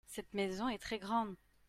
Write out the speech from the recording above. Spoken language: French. Cette maison est très grande.